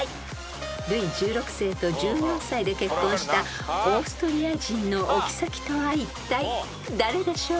［ルイ１６世と１４歳で結婚したオーストリア人のお妃とはいったい誰でしょう？］